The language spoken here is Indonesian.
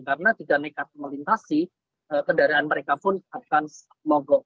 karena tidak nekat melintasi kedaraan mereka pun akan mogok